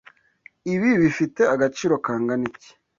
Ibi bifite agaciro kangana iki?